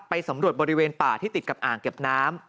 สำรวจบริเวณป่าที่ติดกับอ่างเก็บน้ำ